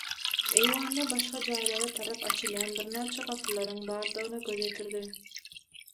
Eýwanda başga jaýlara tarap açylýan birnäçe gapylaryň bardygyna göz ýetirdi.